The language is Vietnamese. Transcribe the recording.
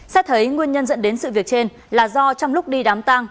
xét thấy nguyên nhân dẫn đến sự việc trên là do trong lúc đi đám tăng